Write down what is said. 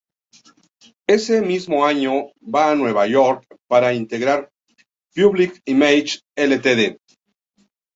Ese mismo año, va a Nueva York, para integrar Public Image Ltd.